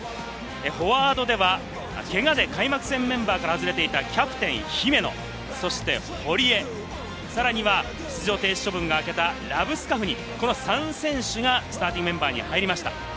フォワードでは、けがで開幕戦メンバーから外れていたキャプテン姫野、そして堀江、さらには出場停止処分が明けたラブスカフニ、この３選手がスタメンに入りました。